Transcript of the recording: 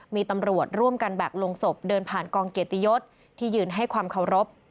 มีตำรวจร่วมกันแบกลงศพเดินผ่านกองเกียรติยศที่ยืนให้ความเคารพ